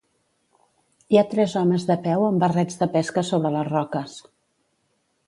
Hi ha tres homes de peu amb barrets de pesca sobre les roques.